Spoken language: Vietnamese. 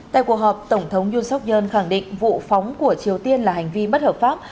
tại cuộc họp tổng thống yoon seok yeol khẳng định vụ phóng của triều tiên là hành vi bất hợp pháp